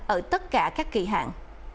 ở tất cả các kỳ hạn